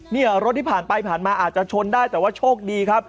เนี่ยรถที่ผ่านไปผ่านมาอาจจะชนได้แต่ว่าโชคดีครับ